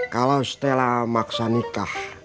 kalau setelah maksa nikah